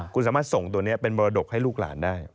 คุณสามารถส่งตัวนี้เป็นมรดกให้ลูกหลานได้